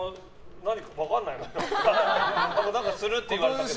何かするって言われて。